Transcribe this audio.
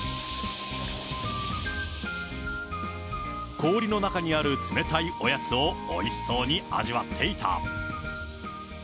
氷の中にある冷たいおやつを、おいしそうに味わっていた。